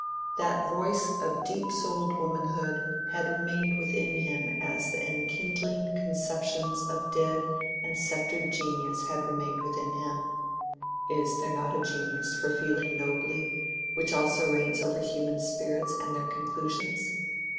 That voice of deep souled womanhood had remained within him as the enkindling conceptions of dead and sceptred genius had remained within him (is there not a genius for feeling nobly which also reigns over human spirits and their conclusions?)